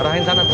satu lagi cukup